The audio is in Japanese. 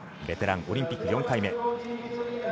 ベテラン、オリンピック４回目。